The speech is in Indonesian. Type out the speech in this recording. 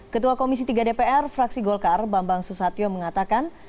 ketua komisi tiga dpr fraksi golkar bambang susatyo mengatakan